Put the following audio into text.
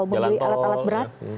membeli alat alat berat